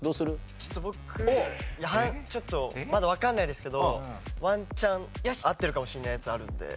ちょっと僕ちょっとまだわからないですけどワンチャン合ってるかもしれないやつあるんで。